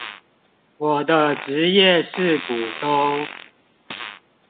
我的職業是股東